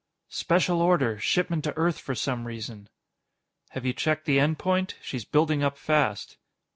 "Special order. Shipment to Earth for some reason." "Have you checked the end point? She's building up fast."